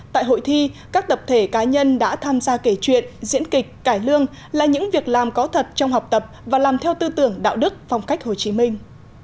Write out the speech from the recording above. tại hội thi các tập thể cá nhân đã tham gia kể chuyện diễn kịch cải lương là những việc làm có thật trong học tập và làm theo tư tưởng đạo đức phong cách hồ chí minh